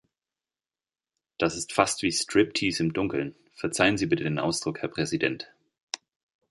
Das ist fast wie Striptease im Dunkeln verzeihen Sie bitte den Ausdruck, Herr Präsident.